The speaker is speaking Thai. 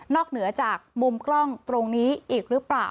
เหนือจากมุมกล้องตรงนี้อีกหรือเปล่า